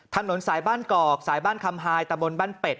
ถนนสายบ้านกอกสายบ้านคำฮายตะบนบ้านเป็ด